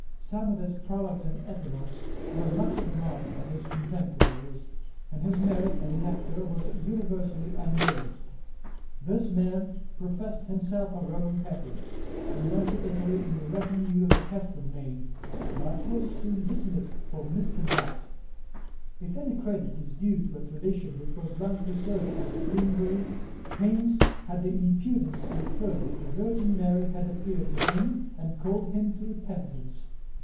Some of his prologues and epilogues were much admired by his contemporaries; and his merit as an actor was universally acknowledged. This man professed himself a Roman Catholic, and went to Italy in the retinue of Castelmaine, but was soon dismissed for misconduct. If any credit is due to a tradition which was long preserved in the green room, Haines had the impudence to affirm that the Virgin Mary had appeared to him and called him to repentance.